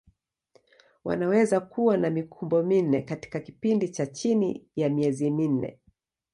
Wanaweza kuwa na mikumbo minne katika kipindi cha chini ya miezi minne.